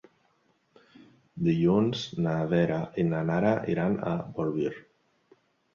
Dilluns na Vera i na Nara iran a Bolvir.